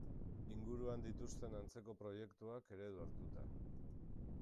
Inguruan dituzten antzeko proiektuak eredu hartuta.